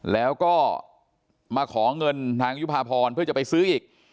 แล้วก็มาขอเงินทางยุภาพรเพื่อจะไปซื้ออีก